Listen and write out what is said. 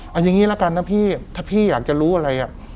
เอาอย่างนี้ละกันนะพี่ถ้าพี่อยากจะรู้อะไร